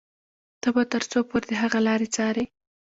ته به تر څو پورې د هغه لارې څاري.